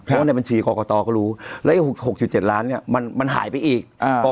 เพราะว่าในบัญชีกรกตก็รู้แล้วอีก๖๗ล้านเนี่ยมันหายไปอีก